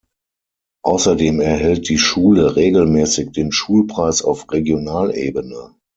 Außerdem erhält die Schule regelmäßig den Schulpreis auf Regionalebene.